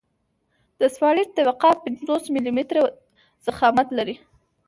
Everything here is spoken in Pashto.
د اسفالټ طبقه پنځوس ملي متره ضخامت لري